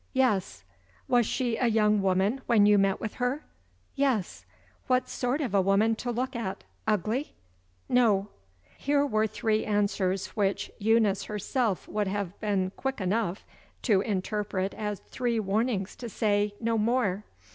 "Yes." "Was she a young woman, when you met with her?" "Yes." "What sort of a woman to look at? Ugly?" "No." Here were three answers which Eunice herself would have been quick enough to interpret as three warnings to say no more.